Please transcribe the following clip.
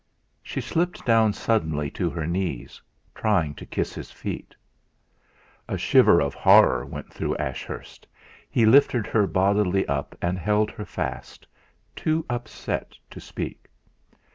She slipped down suddenly to her knees, trying to kiss his feet. A shiver of horror went through Ashurst; he lifted her up bodily and held her fast too upset to speak.